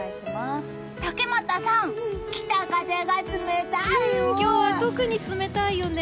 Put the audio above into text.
竹俣さん、北風が冷たいよぉ！